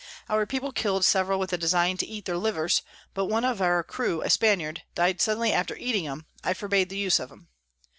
Our People kill'd several with a design to eat their Livers; but one of our Crew, a Spaniard, dying suddenly after eating 'em, I forbad the use of 'em.